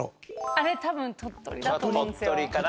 あれ多分鳥取だと思うんですよ。